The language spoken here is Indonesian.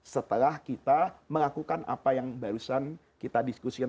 setelah kita melakukan apa yang barusan kita diskusikan